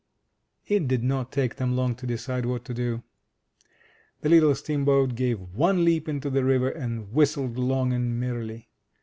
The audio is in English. It did not take them long to decide what to do. The little steamboat gave one leap into the river, and whistled long and merrily.